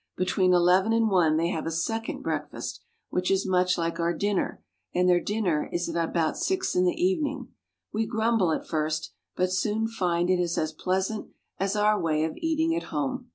Between eleven and one they have a second breakfast, which is much like our dinner, and their dinner is at about six in the evening. We grumble at first, but soon find it is as pleasant as our way of eating at home.